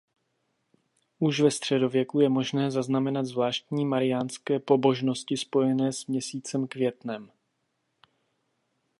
Už ve středověku je možné zaznamenat zvláštní mariánské pobožnosti spojené s měsícem květnem.